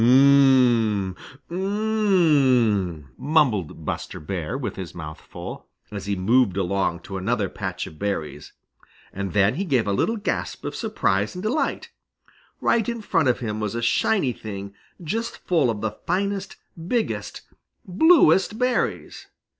"Um m m, um m m," mumbled Buster Bear with his mouth full, as he moved along to another patch of berries. And then he gave a little gasp of surprise and delight. Right in front of him was a shiny thing just full of the finest, biggest, bluest berries!